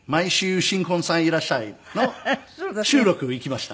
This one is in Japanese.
毎週『新婚さんいらっしゃい！』の収録行きました。